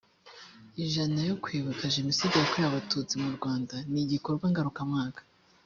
ijana yo kwibuka jenoside yakorewe abatutsi mu rwanda ni igikorwa ngarukamwaka